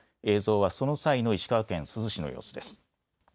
映像はその際の石川県珠洲市の様子です。